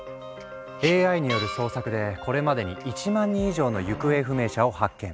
ＡＩによる捜索でこれまでに１万人以上の行方不明者を発見。